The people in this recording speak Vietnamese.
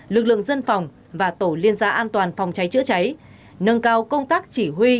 lực lượng dân phòng và tổ liên gia an toàn phòng cháy chữa cháy nâng cao công tác chỉ huy